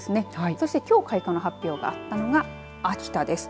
そしてきょう開花の発表があったのは秋田です。